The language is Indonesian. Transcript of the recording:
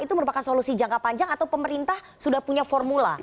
itu merupakan solusi jangka panjang atau pemerintah sudah punya formula